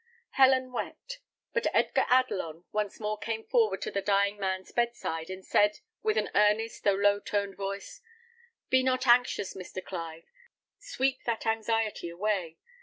Helen wept; but Edgar Adelon once more came forward to the dying man's bed side, and said, with an earnest, though low toned voice, "Be not anxious, Mr. Clive; sweep that anxiety away.